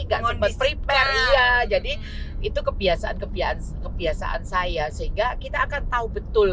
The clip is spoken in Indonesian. nggak sempat prepare iya jadi itu kebiasaan kebiasaan kebiasaan saya sehingga kita akan tahu betul